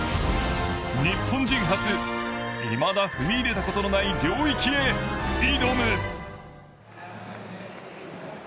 日本人初、いまだ踏み入れたことのない領域へ挑む。